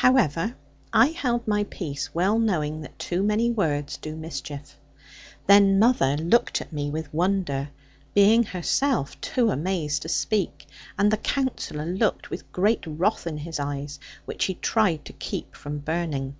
However, I held my peace, well knowing that too many words do mischief. Then mother looked at me with wonder, being herself too amazed to speak; and the Counsellor looked, with great wrath in his eyes, which he tried to keep from burning.